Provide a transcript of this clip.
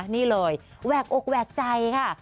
นี่เลยแหวกอกแหวกใจค่ะ